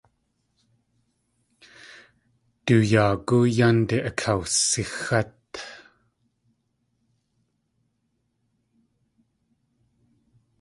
Du yaagú yánde akawsixát.